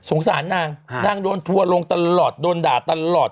สารนางนางโดนทัวร์ลงตลอดโดนด่าตลอด